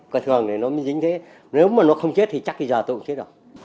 coi thường thì nó mới dính thế nếu mà nó không chết thì chắc bây giờ tôi cũng chết rồi